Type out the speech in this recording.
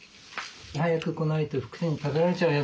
早く来ないとふくに食べられちゃうよ